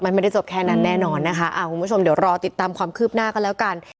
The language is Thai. มันไม่ได้จบแค่นั้นแน่นอนนะคะอ่าคุณผู้ชมเดี๋ยวรอติดตามความคืบหน้ากันแล้วกัน